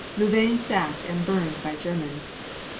Louvain sacked and burned by Germans.